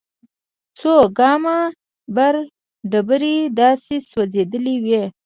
څو ګامه بره ډبرې داسې سوځېدلې وې.